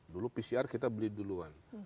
dulu pcr kita beli duluan